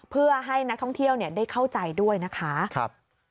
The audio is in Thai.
เพื่อให้นักท่องเที่ยวได้เข้าใจด้วยนะคะ